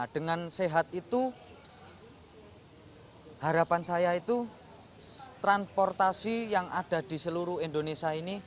dengan sehat itu harapan saya itu transportasi yang ada di seluruh indonesia ini